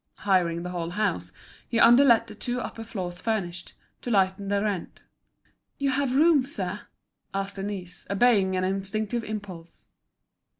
Hiring the whole house, he under let the two upper floors furnished, to lighten the rent. "You have a room, sir?" asked Denise, obeying an instinctive impulse.